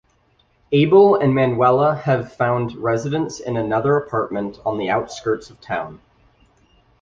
Abel and Manuela have found residence in another apartment on the outskirts of town.